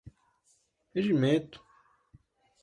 regimento